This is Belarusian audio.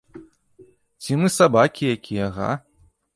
Ці мы сабакі якія, га?